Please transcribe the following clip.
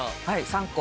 ３個！